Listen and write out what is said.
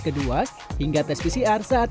kedua hingga tes pcr saat